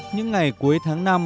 những ngày cuối tháng năm